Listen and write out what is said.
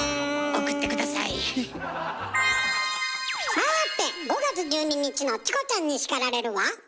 さて５月１２日の「チコちゃんに叱られる」は？